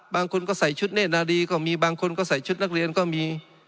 บางคนก็ใส่ชุดเนธนาดีก็มีบางคนก็ใส่ชุดนักเรียนก็มี